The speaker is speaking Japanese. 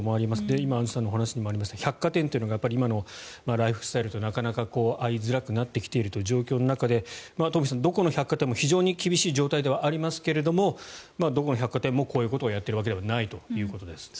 今、アンジュさんのお話にもありました百貨店というのが今のライフスタイルとなかなか合いづらくなってきているという状況の中で東輝さん、どこの百貨店も非常に厳しい状態ではありますがどこの百貨店もこういうことをやっているわけではないということです。